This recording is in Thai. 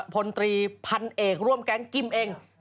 พลตรีพันเอกร่วมแก๊งกิ้มเอง